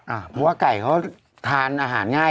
เพราะว่าไก่เขาทานอาหารง่าย